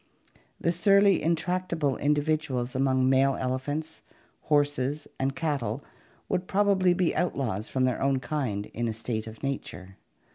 The surly, intractable individuals among male elephants, horses, and cattle would probably be outlaws from their own kind in a state of nature.